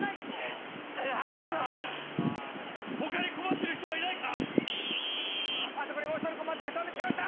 他に困ってる人はいないか⁉あそこにもう１人困っている人を見つけました！